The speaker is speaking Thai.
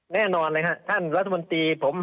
แน่นอนเลยครับท่านรัฐมนตรีผม